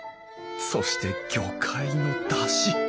そして魚介のだし！